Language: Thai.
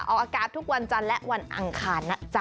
ออกอากาศทุกวันจันทร์และวันอังคารนะจ๊ะ